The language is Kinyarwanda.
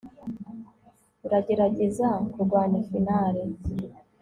uragerageza kurwanya finale